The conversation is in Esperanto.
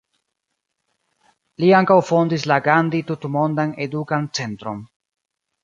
Li ankaŭ fondis la Gandhi Tutmondan Edukan Centron.